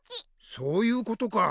そういうことか。